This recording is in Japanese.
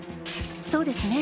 そうですね。